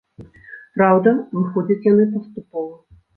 Праўда, выходзяць яны паступова.